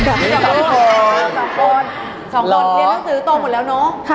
๒คนเดี๋ยวหนังสือโตหมดแล้วเนอะ